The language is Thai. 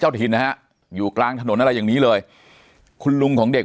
ถิ่นนะฮะอยู่กลางถนนอะไรอย่างนี้เลยคุณลุงของเด็ก